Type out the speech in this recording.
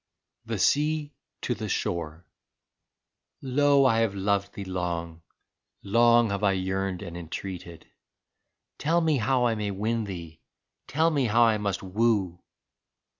56 THE SEA TO THE SHORE Lo, I have loved thee long, long have I yearned and entreated ! Tell me how I may win thee, tell me how I must woo.